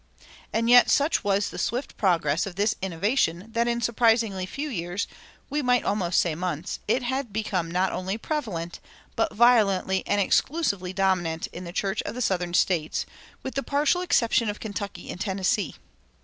[278:1] And yet such was the swift progress of this innovation that in surprisingly few years, we might almost say months, it had become not only prevalent, but violently and exclusively dominant in the church of the southern States, with the partial exception of Kentucky and Tennessee.